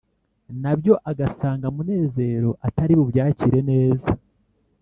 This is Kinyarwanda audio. na byo agasanga munezero atari bubyakire neza.